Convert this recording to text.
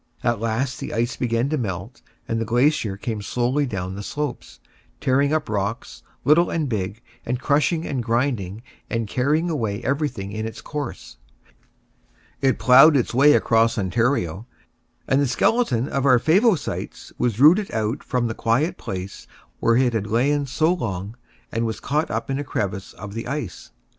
At last the ice began to melt, and the glacier came slowly down the slopes, tearing up rocks, little and big, and crushing and grinding and carrying away everything in its course. It ploughed its way across Ontario, and the skeleton of our Favosites was rooted out from the quiet place where it had lain so long, and was caught up in a crevice of the ice.